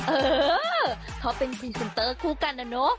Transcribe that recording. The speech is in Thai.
เออเขาเป็นซีนเซ็มเตอร์คู่กันนะ